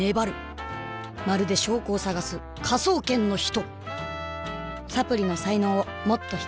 まるで証拠を探す「科捜研の人」！！